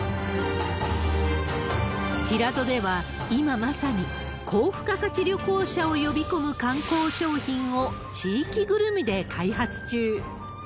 平戸では、今まさに、高付加価値旅行者を呼び込む観光商品を地域ぐるみで開発中。